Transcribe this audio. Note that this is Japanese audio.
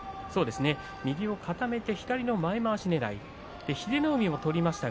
右を固めて左の前まわしねらいでした。